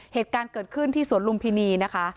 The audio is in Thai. เหตุการณ์เกิดขึ้นที่สวนลุมพินีนะคะ